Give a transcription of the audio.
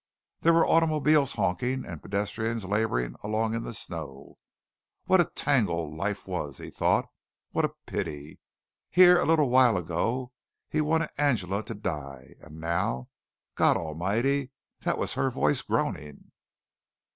There were automobiles honking and pedestrians laboring along in the snow. What a tangle life was, he thought. What a pity. Here a little while ago, he wanted Angela to die, and now, God Almighty, that was her voice groaning!